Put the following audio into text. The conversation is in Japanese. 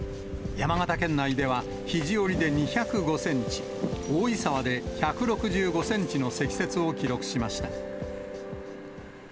山形県内では肘折で２０５センチ、大井沢で１６５センチの積雪を記録しました。